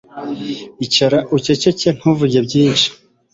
icara uceceke ntuvuge byishi